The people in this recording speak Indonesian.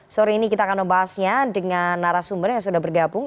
sore ini kita akan membahasnya dengan narasumber yang sudah bergabung